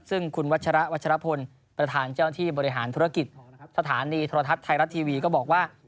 ซึ่งคุณวัชระวัชรพลประธานเจ้าหน้าที่บริหารธุรกิจสถานีโทรทัศน์ไทยรัฐทีวีก็บอกว่า